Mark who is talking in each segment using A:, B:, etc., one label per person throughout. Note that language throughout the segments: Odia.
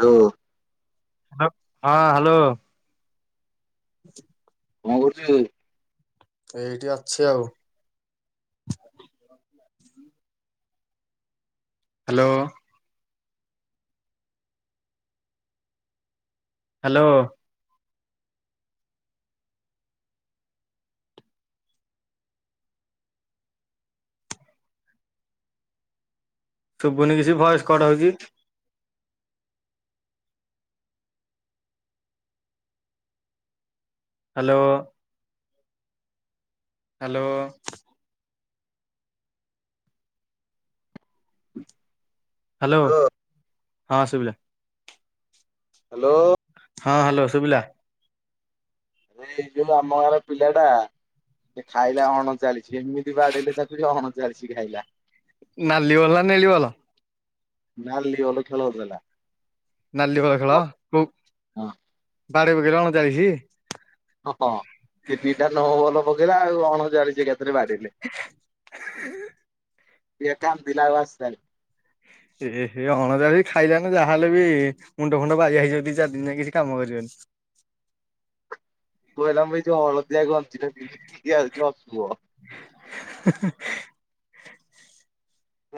A: ହାଲୋ।
B: ହାଲୋ ହଁ ହାଲୋ। [inaudible]
A: କଣ କରୁଚୁ?
B: ଏଇଠି ଅଛି ଆଉ। ହୁଁ। ହାଲୋ? ହାଲୋ? ଶୁଭୁନି କିଛି ଭଏସ କଟ୍ ହୋଉଛି। ହାଲୋ? ହାଲୋ? ହାଲୋ
A: ହ୍ୟାଲୋ
B: ହଁ ଶୁବିଲା।
A: ହାଲୋ?
B: ହଁ ହାଲୋ ଶୁବିଲା?
A: ଏ ଏଇ ଯୋଉ ଆମ ଗାଁର ପିଲାଟା ସେ ଖାଇଲା ଅଣଚାଲିଶି ଏମିତି ବାଡେଇଲେ ତାକୁ ଯେ ଅଣଚାଲିଶି ଖାଇଲା।
B: ନାଲି ବଲ ନା ନେଳି ବଲ?
A: ଖେଳ ବଲ ଖେଳ ହୋଉଥୁଲା।
B: ନାଲି ବଳ ଖେଳ କୋଉ
A: ହଁ
B: ବାଡ଼େଇ ପକେଇଲା ଅଣଚାଳିଶି।
A: ହଁ ହଁ ତିନିଟା ନୋ ବଲ ପକେଇଲା ଆଉ ଆଣଚାଳିସି ଏକାଥରେ ବାଡେଇଲେ।
B: [inaudible]
A: ସ୍ଅ କାନ୍ଦିଲା ଆଉ ଆସିଲାନି।
B: ଏହେ ଅଣଚାଳିଶି ଖାଇଲାନି ଯାହାହେଲେ ବି ମୁଣ୍ଡ ଫୁଣ୍ଡ ବାଇଆ ହେଇଯିବ ଦିଚାର ଦିନ ଯାକେ କିଛି କାମ କରିବନି।
A: କୋଇଲା ମୁଁ ହେଇ ଯୋଉ ହଳଦିଆ ଗଞ୍ଜିଟା ପିନ୍ଧି [unintelligible]
B: ହେଁ ହେଁ।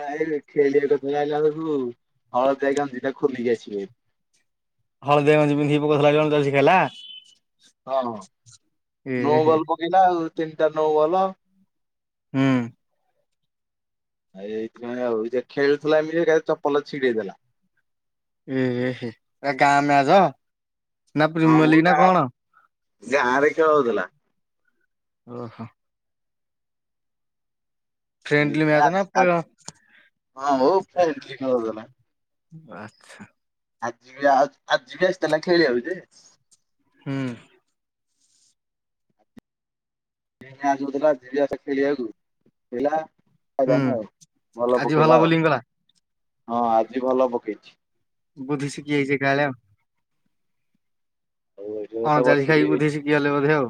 A: ନାଇରେ ଖେଳିବାକୁ ଆଇଲା ବେଳକୁ ହଳଦିଆ ଗଞ୍ଜିଟା ଖୋଲିକି ଆସିବେ।
B: ହଳଦିଆ ଗଞ୍ଜି ପିନ୍ଧିକି ପକୋଉଥୁଲା [unintelligible] ଜର୍ସି ଖେଳିଲା।
A: ହଁ
B: ଏ
A: ନୋ
B: ହେ
A: ବଲ ପକେଇଲା ଆଉ ତିନିଟା ନୋ ବଲ।
B: ହୁଁ।
A: ଆ ଏଇଥି ପାଇଁ ଆଉ ଯେ ଖେଳୁଥୁଲା ଏମତି ଏକା ଚପଲ ଛିଡେଇଦେଲା।
B: ଏହେ ଏଟା ଗାଁ ମ୍ୟାଚ? ନା
A: ହଁ
B: ପ୍ରିମିୟର
A: ମୁଁ
B: ଲିଗ ନା
A: ଯାହା
B: କଣ
A: ଗାଁରେ ଖେଳ ହୋଉଥୁଲା।
B: ଓହୋ।
A: [unintelligible] ଏ
B: ଫ୍ରେଣ୍ଡଲି ମ୍ୟାଚ
A: ତ
B: ନା ପ
A: ହଁ ହଉ କ ଖେଳ ହୋଉଥିଲା। [unintelligible]
B: ଆଛା।
A: ଆଜି ବି ଆ ଆଜି ବି ଆସିଥିଲା ଖେଳିବାକୁ ଯେ
B: ହୁଁ।
A: [unintelligible] ଉଥିଲା ଆସେ ଖେଳିବାକୁ ହେଲା। [unintelligible] ଆଉ
B: ହୁଁ।
A: ଭଲ
B: ଆଜି
A: ପକେଇଲା ଆଉ
B: ବୋଲିଂ କଲା
A: ହଁ ଆଜି ଭଲ ପକେଇଛି
B: ବୁଦ୍ଧି ଶିଖି ଯାଇଛି ଏକା ବେଳେ ଆଉ
A: ଆଉ ଏଠି
B: ହଁ
A: ତ
B: [unintelligible] ଚାଲିି
A: ବସିକି
B: ଖାଇକି ବୁଧି ଶିଖି ଗଲେ ବୋଧେ ଆଉ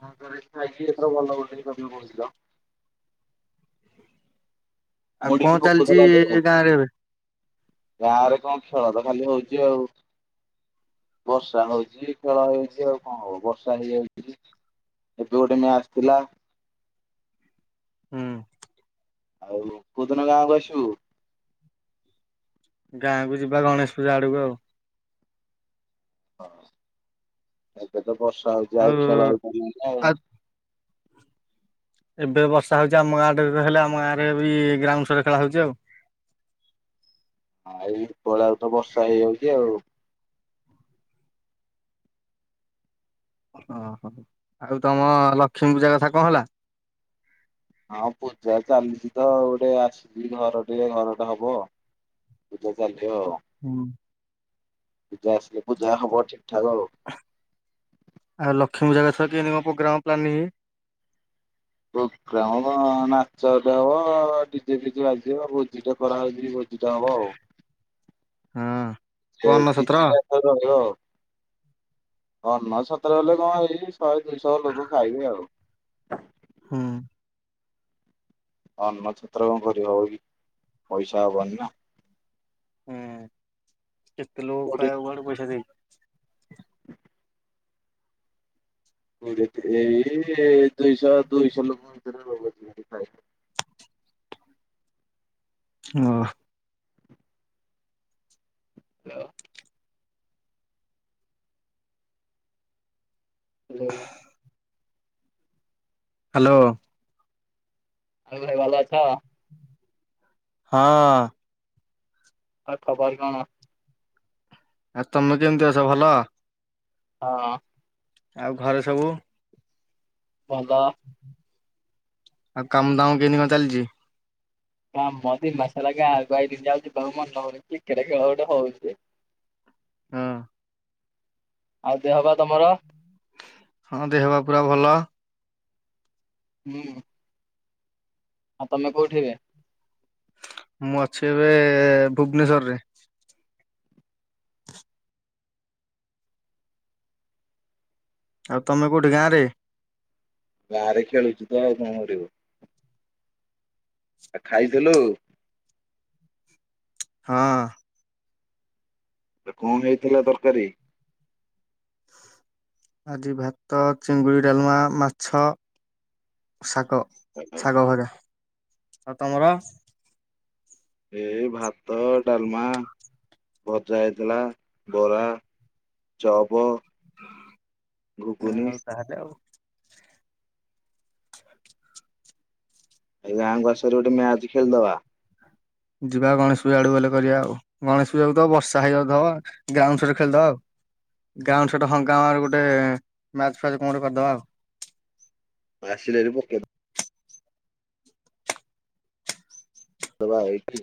A: [unintelligible] ହଁ ଖାଇକି ଏତର ଭଲ ହ କ କହୁଥିଲ। [unintelligible]
B: ଆଉ
A: ମୁଡିକି
B: କଣ
A: [unintelligible] କ
B: ଚାଲିଛି
A: କହୁଥିଲା [unintelligible] ଯେ
B: ଗାଁରେ ଏବେ
A: ଗାଁ ରେ କଣ ଖେଳ ତ ଖାଲି ହଉଛି ଆଉ। ବର୍ଷା ହଉଛି ଖେଳ ହେଇଛି ଆଉ କଣ ହବ ବର୍ଷା ହେଇଯାଉଛି। ଏବେ ଗୋଟେ ମ୍ୟାଚ ଥିଲା।
B: ହୁଁ
A: ଆଉ କୋଉ ଦିନ ଗାଁକୁ ଆସିବୁ?
B: ଗାଁକୁ ଯିବା ଗଣେଶ ପୂଜା ଆଡକୁ ଆଉ
A: ହଁ ଏବେ ତ ବର୍ଷା ହଉଛି ଆଉ ଖେଳ ହେଇପାରିବନି ଆଉ।
B: ଏବେ ବର୍ଷା ହେଉଛି ଆମ ଗାଁଟରେ ତ ହେଲେ ଆମ ଗାଁରେ ବି ଗ୍ରାଉଣ୍ଡ୍ ସରେ ଖେଳ ହେଉଛି ଆଉ।
A: ହଁ ଏଇ ଉପର ବେଳା କୁ ତ ବର୍ଷା ହେଇଯାଉଛି ଆଉ।
B: ଓହୋ ଆଉ ତମ ଲକ୍ଷ୍ମୀ ପୂଜା କଥା କଣ ହେଲା?
A: ହଁ ପୂଜା ଚାଲିଛି ତ ଗୋଟେ ଆସିଛି ଘର ଟିକେ ଘରଟେ ହବ। ପୂଜା ଚାଲିଥିବ ଆଉ
B: ହଁ।
A: ଜା ଆସ ପୂଜା ହବ ଠିକ ଠାକ ଆଉ।
B: ଆଉ ଲକ୍ଷ୍ମୀ ପୂଜାକଥା କେମିତି କଣ ପ୍ରୋଗ୍ରାମ ପ୍ଲାନିଙ୍ଗ
A: ପ୍ରୋଗ୍ରାମ କଣ ନାଚଟେ ହବ ଡିଜେ ଫିଜେ ବାଜି ଭୋଜିଟେ କରାହେଉଛି ଭୋଜି ଭୋଜିଟେ ହବ ଆଉ।
B: ହଁ। କଣ
A: ସେ
B: ଅନସତ୍ର
A: [unintelligible] ଦ ରହିବ ଆଉ ଅ [unintelligible] ସତରେ ହେଲେ କଣ ହେଇ ଶଏ ଦୁଇଶହ ଲୋକ ଖାଇବେ ଆଉ
B: ହୁଁ।
A: ଅନ୍ନ ଛତ୍ର କଣ କରି ହବ କି ପଇସା ହବନି ନା।
B: ହୁଁ କେତେ ଲୋକ
A: କୋଉଠି
B: ଖାଇବାକୁ ଗଲେ ପଇସା ଦେଇ
A: ମୁ ଏଇ ଦୁଇଶହ ଦୁଇଶହ ଲୋକରେ ଖଣ୍ଡେ ହବ ବୋଧେ ଖାଇବେ
B: ହୁଁ।
A: ହ୍ୟାଲୋ। ହ୍ୟାଲୋ।
B: ହ୍ୟାଲୋ।
A: ଆରେ ଭାଇ ଭଲ ଅଛ।
B: ହଁ।
A: ଆଉ ଖବର କଣ?
B: ଆଉ ତମେ କେମିତି ଅଛ ଭଲ?
A: ହଁ।
B: ଆଉ ଘରେ ସବୁ
A: ଭଲ
B: ଆଉ କାମ ଦାମ କେମନି କଣ ଚାଲିଛି?
A: [unintelligible] ହଁ ମ ଦି ମାସ ଲା ଦିନ ଯାଉଛି ବହୁ ମନଉଛି ଖେଳ ଖେଳ ଗୋଟେ ହଉଛି [unintelligible]
B: ହଁ।
A: ଆଉ ଦେହ ପା ତମର?
B: ହଁ ଦେହ ବା ପୁରା ଭଲ
A: ହୁଁ। ହଁ ତମେ କଉଠିି ଏବେ?
B: ମୁଁ ଅଛି ଏବେ ଭୁବନେଶରେ। ଆଉ ତମେ କୋଉଠି ଗାଁ ରେ?
A: ବାହାରେ ଖେଳୁଛୁ ଆଉ କଣ କରିବୁ? ଆ ଖାଇଥିଲୁ?
B: ହଁ।
A: ଏ କଣ ହେଇଥିଲା ତରକାରୀ?
B: ଆଜିି ଭାତ, ଚିଙ୍ଗୁଡି, ଡାଲମା, ମାଛ, ଶାଗ ଶାଗ ଭଜା ଆଉ ତମର?
A: ଏ ଭାତ, ଡାଲମା, ଭଜା ହେଇଥିଲା ବରା ଚପ୍
B: ହ ଆଉ ତାହେଲେ ଆଉ
A: ଆ ଗାଁ ଆସହାରି ଗୋଟେ ମ୍ୟାଚ ଖେଳିଦବା।
B: ଯିବା ଗଣେଶ ପୂଜା ଆଡୁ ଗଲେ କରିବା ଆଉ ଗଣେଶ ପୂଜାକୁ ତ ବର୍ଷା ହେଇଯାଉଥିବ ଆଉ ଗ୍ରାଉଣ୍ଡ ସଟ ଖେଳିଦବା ଆଉ ଗ୍ରାଉଣ୍ଡ ସ ହଙ୍କା ଗୋଟେ ମ୍ୟାଚ୍ ଫ୍ୟାଚ କଣ କରିଦବା ଆଉ।
A: ଆସିଲିହାରି ପକେଇବାକୁ। ଦବା ଏଇଠି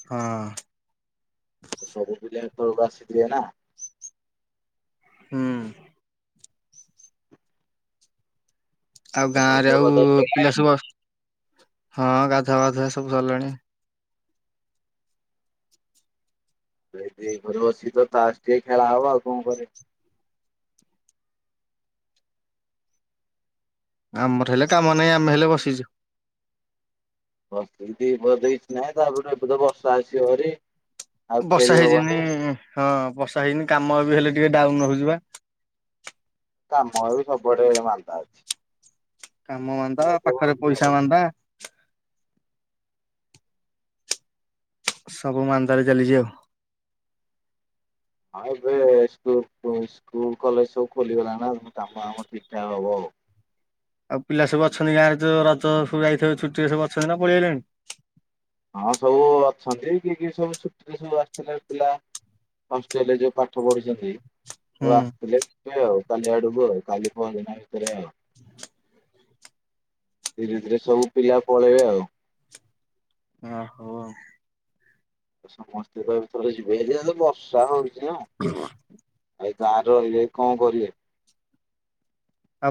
B: ହଁ।
A: ତ ସବୁ ପିଲା ଏତେବେଳକୁ ଆସିଥିଲେ ନା
B: ହୁଁ। ଆଉ ଗାଁ ରେ
A: ଗାଧୁଆ
B: ଆଉ
A: ପାଧୁଆ ସଇଲା
B: ପିଲା ସବୁ ହଁ ଗାଧୁଆବାଧୁଆ ସବୁ ସରିଲାଣି।
A: ତ ଏଇଠି ଘରେ ବସି ତାସ୍ ଟିକେ ଖେଳା ହବ ଆଉ କଣ କରେ
B: ଆମର ହେଲେ କାମ ନାହିଁ ଆମେ ହେଲେ ବସିଛୁ।
A: ବସି ବ ଦେଇଛି ନାହିଁ ତାପରେ ଏବେ ତ ବର୍ଷା ଆସିବ ହାରି।
B: ବର୍ଷା ହେଇଯିନି ହଁ ବର୍ଷା ହେଇନି କାମ ବି ହେଲେ ଟିକେ ଡାଉନ ରହୁଛିିବା।
A: କାମ ବି ସବୁଆଡେ ଏବେ ମାନ୍ଦା ଅଛି।
B: କାମ ମାନ୍ଦା
A: ହଁ
B: ପାଖରେ ପଇସା ମାନ୍ଦା ସବୁ ମାନ୍ଦାରେ ଚାଲିଛି ଆଉ।
A: ହଁ ଏବେ ସ୍କୁଲ କଲେଜ ସବୁ ଖୋଲିଗଲା ନା କାମ ଫାମ ଠିକ ଠାକ ହବ ଆଉ।
B: ଆଉ ପିଲା ସବୁ ଅଛନ୍ତି ଗାଁ ରେ ତ ରଜ ସବୁ ଯାଇଥିବ ଛୁଟିରେ ସବୁ ଅଛନ୍ତି ନା ପଳେଇଗଲେଣି?
A: ହଁ ସବୁ ଅଛନ୍ତି କିଏ କି ସବୁ ଛୁଟିରେ ସବୁ ଆସିଥିଲା ପିଲା ହଷ୍ଟେଲ ରେ ଯୋଉ ପାଠ ପଢିଛନ୍ତି ତ
B: ହୁଁ
A: ଆସିଥିଲେ ଆଉ କାଲି ଆଡକୁ ଆ କାଲି ପହଦିନ ଭିତରେ ଆଉ ଧୀରେ ଧୀରେ ସବୁ ପିଲା ପଳେଇବେ ଆଉ।
B: ଓ ହୋ।
A: ସମସ୍ତେ ତ ଥରେ ଯିବେ ହେଲେ ବର୍ଷା ହଉଛି ଆଉ। ଏ ଗାଁରେ ରହିଲେ ବି କଣ କରିବେ?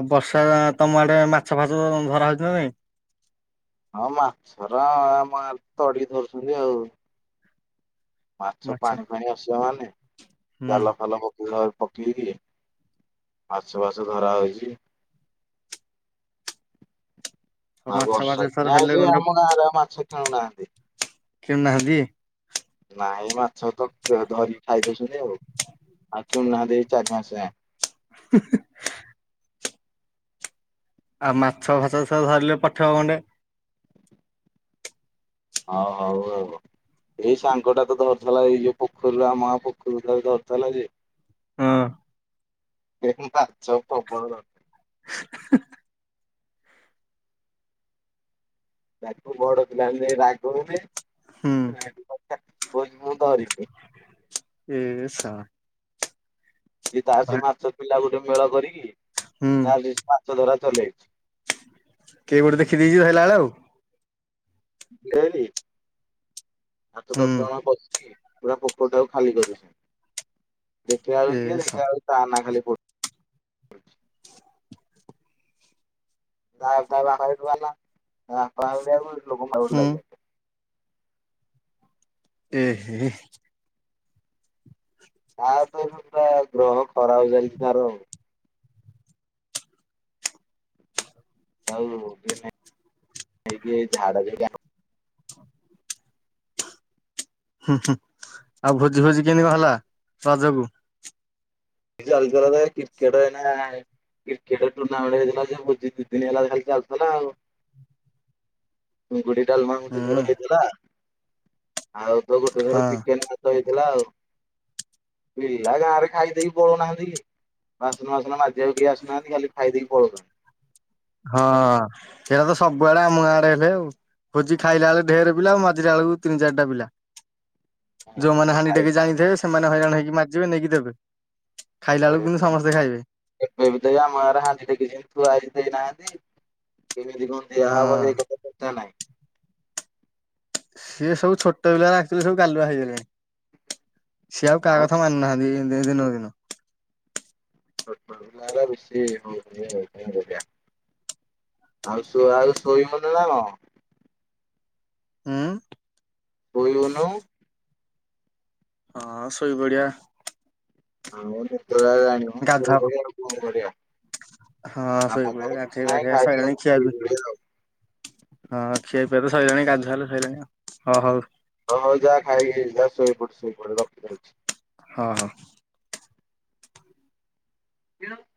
B: ଆଉ ବର୍ଷା ତମ ଆଡେ ମାଛ ଫାସ ଧରା ହେଊଛି କି ନାଇଁ?
A: ହଁ ମାଛରା ଆମ ଗାଁ ରେ ତଡିକି ଧରୁଛନ୍ତି ଆଉ। ମାଛ ପାଣି ଫାଣି ଆସିବ ମାନେ
B: ହୁଁ
A: ଜାଲ। ଭଲ [unintelligible] ପକେଇ ଦିଏ ମାଛ ଫାଛ ଧରା ହେଉଛି। ଆଉ
B: ମାଛ ଫାଛ
A: ବର୍ଷା
B: ଏଥର
A: ଦିନ
B: ହେଲେ
A: ଆଇଲେ
B: ଗଣ୍ଡେ
A: ଆମ ଗାଁରେ ଆଉ ମାଛ କିଣୁନାଆନ୍ତି।
B: କିଣୁନାହାନ୍ତି?
A: ନାଇଁ ମାଛ ତ ଧରିକି ଖାଇଦଉଛନ୍ତି ଆଉ। ଆଉ କିଣୁନାଆନ୍ତି ଏଇ ଚାରି ମାସ।
B: [inaudible] ଆଉ ମାଛ ଫାଛ ସହ ଧରିଲେ ପଠେଇବ ଗଣ୍ଡେ।
A: ହଉ ହଉ ଆଉ। ଏଇ ସାଙ୍ଗ ଟା ତ ଧରୁଥିଲା ଏଇ ଯୋଉ ପୋଖରୀରୁ ଆମ ଗାଁ ପୋଖରୀରୁ ଧରୁଥିଲା ଯେ
B: ହଁ
A: ଏ ମାଛ ପ୍ରବଳ ଧ ତାକୁ ବଡ ଥିଲା ଏମିତି ରାଗ ଗୋଟେ
B: ହୁଁ
A: କହୁଚି ମୁଁ ଧରିବି
B: ଏ ଶଳା
A: କି ତା ସେ
B: ଧର
A: ମାଛ ପିଲା ଗୋଟେ ମେଳ କରିକି
B: ହୁଁ
A: ତା ମାଛ ଧରା ଚଲେଇଛି।
B: କେ ଗୋଟେ ଦେଖି ଦେଇଛି ଧଇଲା ବେଳେ ଆଉ।
A: ବୁଲିବଳୀ ଆତ
B: ହୁଁ
A: ଦଶ ଜଣ ପସିକି। ପୁରା ପୋଖରି ଟାକୁ ଖାଲି କରି ଦେଇଛନ୍ତି ଦେଖିଲା
B: ଏ
A: ଲାକୁ କିଏ
B: ଶଳା
A: ଦେଖିବା ବେଳ ତା ନା ଖାଲି ପଡ। ତା [unintelligible] ମାଡ ଗୋଳ
B: ହୁଁ
A: ଲାଗିଲେଣି।
B: ଏ ହେ।
A: ତା ତ ଏରୁ ପୁରା ଗ୍ରହ ଖରାପ ଚାଲିଚି ତାର ଆଉ। ଆଉ ଟିକେ ନେଇକି ଝାଡ଼ା ଯାଇକି।
B: ହୁଁ ହୁଁ। ଆଉ ଭୋଜି ଫୋଜି କେମିତି କଣ ହେଲା ରଜକୁ?
A: ଆଲଗପ୍ରକାର କ୍ରିକେଟ ଏଇନା। କ୍ରିକେଟ ଟୁର୍ଣ୍ଣାମେଣ୍ଟ ହେଇଥିଲା ଯେ ଭୋଜି ଦି ଦିନ ହେଲା ଖାଲି ଚାଲିଥିଲା ଆଉ। ଚିଙ୍ଗୁଡ଼ି ଡାଲମା
B: ହୁଁ
A: ଗୋଟେ ଥର ହେଇଥିଲା ଆଉ ତ ଗୋଟେ ଥର
B: ହଁ।
A: ଚିକେନ ତ ହେଇଥିଲା ଆଉ ପି ଆଉ ଗାଁ ରେ ଖାଇଦେଇ ପଳଉନାହାନ୍ତି କି ବାସନ ବାସନ ମାଜିବାକୁ କେଇ ଆସୁନାହାନ୍ତି ଖାଲି ଖାଇଦେଇକି ପଳଉଚନ୍ତି।
B: ହଁ ସେଇଟା ତ ସବୁଆଡେ ଆମ ଗାଁ ଆଡେ ହେଲେ ଆଉ। ଭୋଜି ଖାଇଲା ବେଳୁକୁ ଢେର ପିଲା ଆଉ ମାଜିଲା ବେଳକୁ ତିନି ଚାରିଟା ପିଲା।
A: ପଳଉଛନ୍ତି।
B: ଯୋଉମାନେ ହାଣ୍ଡି
A: ଖାଇ
B: ଟେକି ଜାଣିଥିବେ ସେମାନେ ହଇରାଣ ହେଇକି ମାଜିବେ ନେଇକି ଦେବେ। ଖାଇଲା ବେଳକୁ କିନ୍ତୁ ସମସ୍ତେ ଖାଇବେ।
A: ଏବେ ବି ତ ଆମ ଆଡେହାଣ୍ଡି ଟେ ସେମିତି ଥୁଆ ହେଇଚି ଦେଇନାହାନ୍ତି କେମିତି କ ଦିଆ ହବ
B: ହଁ।
A: ହେଇଟା ତ କଥା ନାହିଁ।
B: ସିଏ ସବୁ ଛୋଟ ପିଲା ଆକଚୁଆଲି ସବୁ ଗାଲୁଆ ହେଇଗଲେଣି। ସିଏ ଆଉ କାହା
A: ହଁ
B: କଥା ମାନୁନାହାନ୍ତି। ଏ ଦିନକୁ ଦିନ।
A: [unintelligible] ଆଉ ସୋ ଆଉ ଶୋଇବୁନି ନା କଣ?
B: ଉଁ।
A: କୋଇଅନୁ।
B: ହଁ ଶୋଇ ପଡିଆ।
A: ଆମର ନିଦ ଲାଗିଲାଣି ମ
B: ଗାଧା
A: ଶୋଇପଡ଼ିବା ଆଉ କଣ କରିଆ।
B: ହଁ ଶୋଇପଡ଼ିଆ ଗାଧେଇ ପଧେଇବା ସଇଲାଣି ଖିଆ ପି।
A: ଶୋଇପଡିଆ।
B: ହଁ ଖିଆ ପିଆ ତ ସଇଲାଣି ଗାଧୁଆ ସଇଲାଣି ଆଉ। ହଁ ହଉ।
A: ହଁ ହଉ ଯାହା ଖାଇକି ଯା ଶୋଇପଡ ଶୋଇପଡ ରଖିଦଉଛି।
B: ହଁ ହଁ।
A: [inaudible]